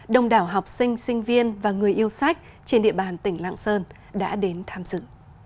đồng đảo học sinh sinh viên và người yêu sách trên địa bàn tỉnh lạng sơn đã đến tham dự